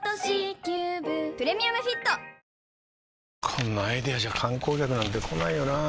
こんなアイデアじゃ観光客なんて来ないよなあ